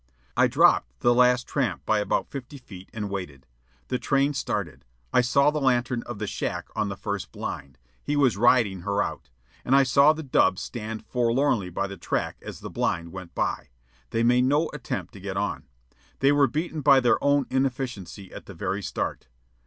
I dropped the last tramp by about fifty feet, and waited. The train started. I saw the lantern of the shack on the first blind. He was riding her out. And I saw the dubs stand forlornly by the track as the blind went by. They made no attempt to get on. They were beaten by their own inefficiency at the very start.